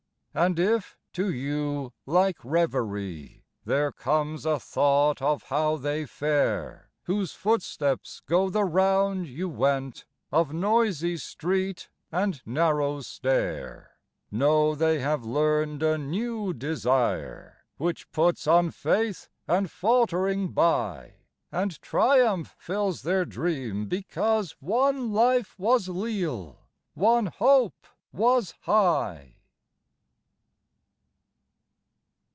And if to you, like reverie, There comes a thought of how they fare Whose footsteps go the round you went Of noisy street and narrow stair, Know they have learned a new desire, Which puts unfaith and faltering by; And triumph fills their dream because One life was leal, one hope was high.